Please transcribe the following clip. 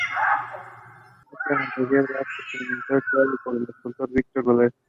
Asiste al Taller de Arte Experimental creado por el escultor Víctor Valera.